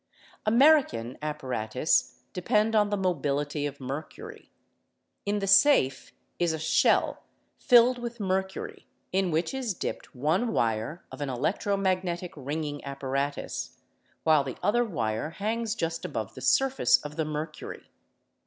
j American apparatus depend on the mobility of mercury. In the safe is a shell filled with mercury, in which is dipped one wire of an electro magnetic ringing apparatus, while the other wire hangs just above the surface of the mercury.